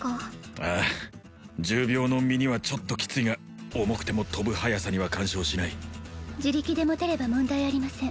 ああ重病の身にはちょっとキツいが重くても飛ぶ速さには干渉しない自力で持てれば問題ありません